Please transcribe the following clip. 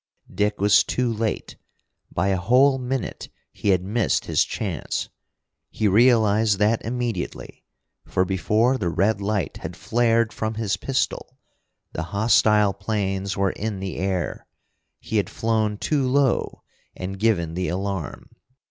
Dick was too late. By a whole minute he had missed his chance. He realized that immediately, for before the red light had flared from his pistol, the hostile planes were in the air. He had flown too low, and given the alarm.